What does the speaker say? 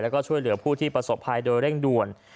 แล้วก็ช่วยเหลือผู้ที่ประสบภัยโดยเร่งด่วน